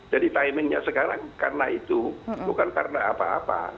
jadi timingnya sekarang karena itu bukan karena apa apa